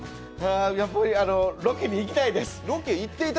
やっぱりロケに行きたいです。